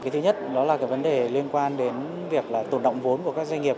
cái thứ nhất đó là cái vấn đề liên quan đến việc là tồn động vốn của các doanh nghiệp